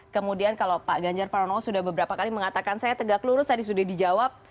kemudian kalau pak ganjar pranowo sudah beberapa kali mengatakan saya tegak lurus tadi sudah dijawab